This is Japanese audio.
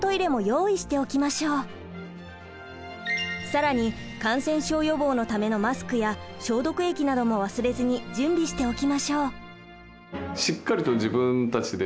更に感染症予防のためのマスクや消毒液なども忘れずに準備しておきましょう。